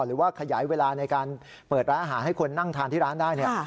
หรือว่าขยายเวลาในการเปิดร้านอาหารให้คนนั่งทานที่ร้านได้เนี่ย